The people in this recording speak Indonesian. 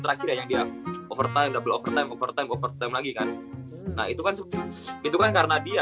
terakhir yang dia overtime double overtime overtime overtime lagi kan nah itu kan itu kan karena dia